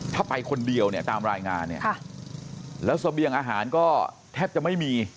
ถ้าไปคนเดียวเนี่ยตามรายงานเนี่ยแล้วเสบียงอาหารก็แทบจะไม่มี